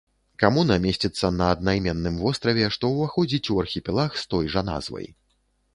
Камуна месціцца на аднайменным востраве, што ўваходзіць у архіпелаг з той жа назвай.